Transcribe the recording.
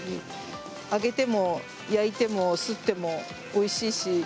揚げても焼いてもすってもおいしいし。